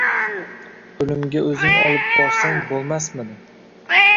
O‘limga o‘zing olib borsang bo‘lmasmidi?!